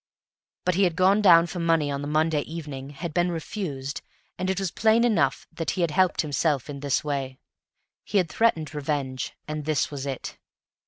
But he had gone down for money on the Monday evening, had been refused, and it was plain enough that he had helped himself in this way; he had threatened revenge, and this was it.